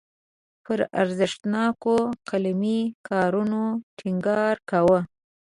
پر ارزښتناکو قلمي کارونو ټینګار کاوه.